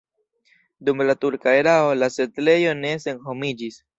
Dum la turka erao la setlejo ne senhomiĝis.